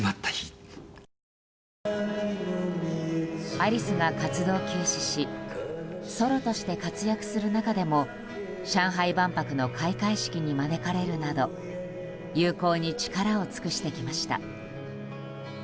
アリスが活動休止しソロとして活躍する中でも上海万博の開会式に招かれるなど友好に力を尽くしてきました。